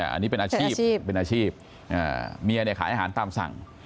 อันนี้เป็นอาชีพเมียเนี่ยขายอาหารตามสั่ง